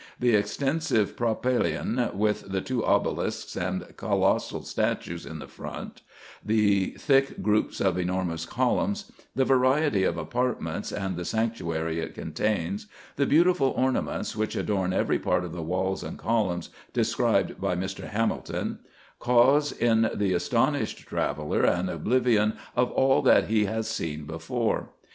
The extensive pro pylaeon, with the two obelisks, and colossal statues in the front; the thick groups of enormous columns ; the variety of apartments and the sanctuary it contains ; the beautiful ornaments which adorn every part of the walls and columns, described by Mr. Hamilton ; cause in the astonished traveller an oblivion of all that he has seen before.